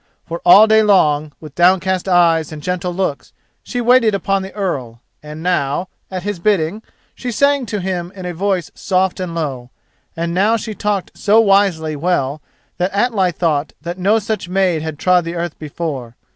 For all day long, with downcast eyes and gentle looks, she waited upon the Earl, and now, at his bidding, she sang to him in a voice soft and low, and now she talked so wisely well that Atli thought no such maid had trod the earth before.